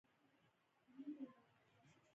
د دې وحشي ژوند ختمولو لره